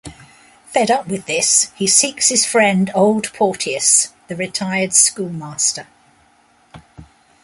Fed up with this, he seeks his friend Old Porteous, the retired schoolmaster.